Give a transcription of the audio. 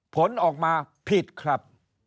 ผลออกมาผิดครับ